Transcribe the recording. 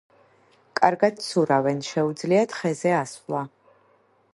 კარგად ცურავენ, შეუძლიათ ხეზე ასვლა.